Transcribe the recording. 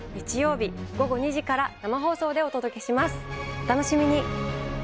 お楽しみに！